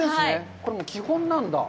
これ、基本なんだ？